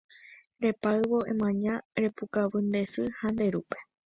Repáyvo emaña ha repukavy nde sy ha nde rúpe